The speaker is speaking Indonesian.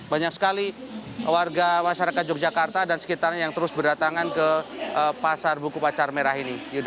banyak sekali warga masyarakat yogyakarta dan sekitarnya yang terus berdatangan ke pasar buku pacar merah ini